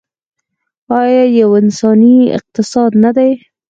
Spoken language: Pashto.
آیا یو انساني اقتصاد نه دی؟